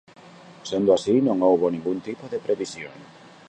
Sendo así, non houbo ningún tipo de previsión.